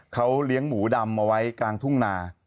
เขาเลี้ยงหมูดำเอาไว้กลางทุ่งนา